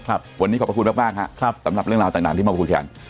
วันนี้ขอบคุณมากครับสำหรับเรื่องราวต่างที่เมาะพูดขึ้น